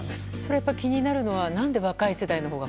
やっぱり気になるのは何で若い世代のほうが